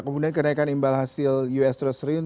kemudian kenaikan imbal hasil us treasury